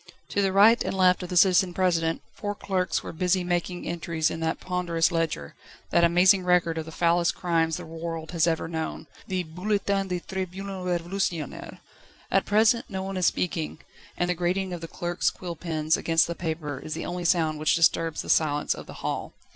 _" To the right and left of the Citizen President, four clerks were busy making entries in that ponderous ledger, that amazing record of the foulest crimes the world has ever known, the "Bulletin du Tribunal Révolutionnaire." At present no one is speaking, and the grating of the clerks' quill pens against the paper is the only sound which disturbs the silence of the hall.